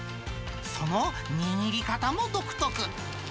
その握り方も独特。